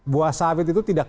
buah sawit itu tidak